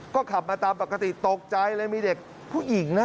ก็ขับมาตามปกติตกใจเลยมีเด็กผู้หญิงนะ